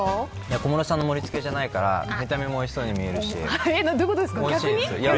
小室さんの盛り付けじゃないから、見た目もおいしそうに見えるしどういうことですか。